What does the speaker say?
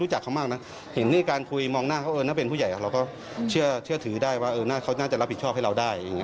หรือได้ว่าน่าเขาน่าจะรับผิดชอบให้เราได้